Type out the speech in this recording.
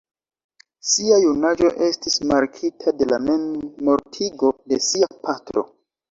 Sia junaĝo estis markita de la memmortigo de sia patro.